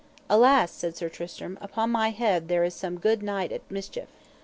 Alas, said Sir Tristram, upon my head there is some good knight at mischief.